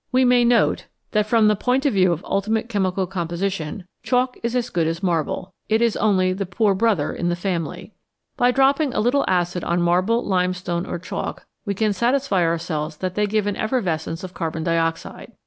We may note that from the point of view of ultimate chemical 91 ACIDS AND ALKALIS composition chalk is as good as marble ; it is only the poor brother in the family. By dropping a little acid on marble, limestone, or chalk, we can satisfy ourselves that they give an effer vescence of carbon dioxide.